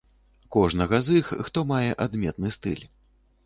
Кожнага з іх, хто мае адметны стыль.